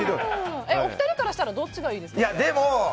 お二人からしたらどっちがいいですか？